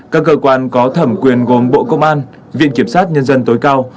các cơ quan có thẩm quyền gồm bộ công an viện kiểm sát nhân dân tối cao